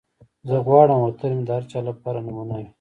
زه غواړم وطن مې د هر چا لپاره نمونه وي.